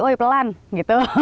oi pelan gitu